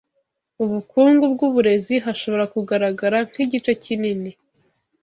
ubukungu bwuburezi hashobora kugaragara nkigice kinini